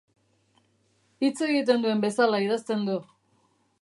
Hitz egiten duen bezala idazten du.